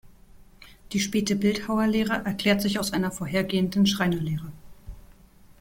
Die späte Bildhauerlehre erklärt sich aus einer vorhergehenden Schreinerlehre.